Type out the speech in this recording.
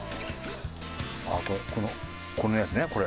ああこのこのやつねこれ。